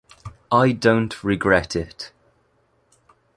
I don't regret it.